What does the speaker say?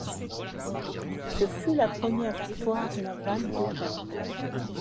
Ce fut la première victoire navale de Rome.